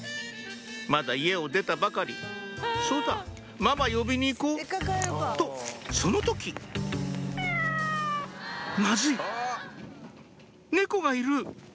まだ家を出たばかり「そうだママ呼びに行こう」とその時「マズい！猫がいる」